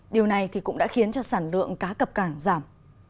điều này cũng đã khiến sản lượng cá cặp càng giảm